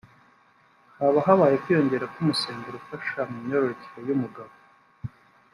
haba habayeho kwiyongera k’umusemburo ufasha mu myororokere y’umugabo